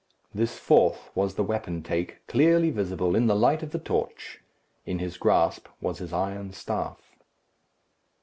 This fourth was the wapentake, clearly visible in the light of the torch. In his grasp was his iron staff.